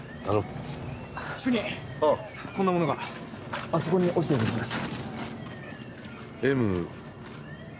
こんなものがあそこに落ちていたそうです。